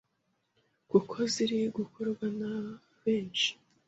kuko ziri gukorwa na benshi